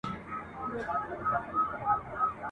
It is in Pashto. د سړک پر غاړه تور څادر رپېږي !.